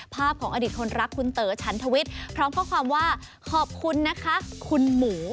ภาพของอดีตคนรักคุณเต๋อฉันทวิทย์พร้อมข้อความว่าขอบคุณนะคะคุณหมู